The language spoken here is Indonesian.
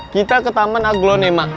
kita ke taman aglonema